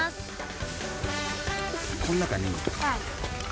この中に。